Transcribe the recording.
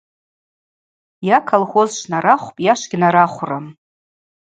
Йа аколхоз швнарахвпӏ, йа швыгьнарахврым.